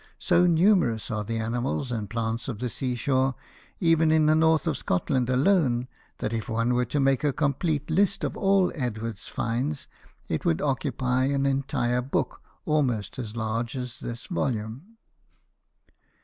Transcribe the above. So numerous are the animals and plants of the sea shore, even in the north of Scotland alone, that if one were to make a complete list of all Edward's finds it would occupy an entire book almost as large as this volume.